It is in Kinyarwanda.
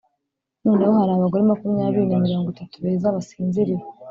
noneho hari abagore makumyabiri na mirongo itatu beza basinziriye